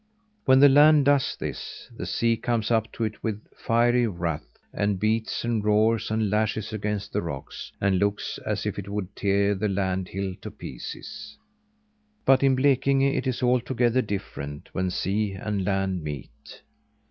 When the land does this, the sea comes up to it with fiery wrath, and beats and roars and lashes against the rocks, and looks as if it would tear the land hill to pieces. But in Blekinge it is altogether different when sea and land meet.